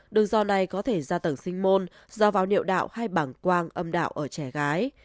đường do này có thể ra tầng sinh môn dò vào niệu đạo hay bảng quang âm đạo ở trẻ gái